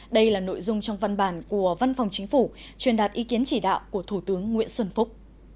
đây là nội dung trong văn bản của văn phòng chính phủ truyền đạt ý kiến chỉ đạo của thủ tướng nguyễn xuân phúc